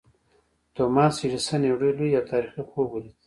توماس ایډېسن یو ډېر لوی او تاریخي خوب ولید